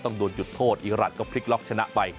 ต้องโดนจุดโทษอีรัทก็พลิกล็อกชนะไป